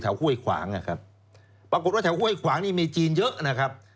ห้วยขวางนะครับปรากฏว่าแถวห้วยขวางนี่มีจีนเยอะนะครับ